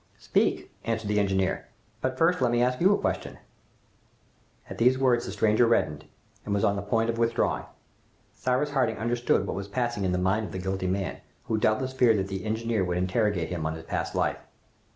"Speak," answered the engineer, "but first let me ask you a question." At these words the stranger reddened, and was on the point of withdrawing. Cyrus Harding understood what was passing in the mind of the guilty man, who doubtless feared that the engineer would interrogate him on his past life.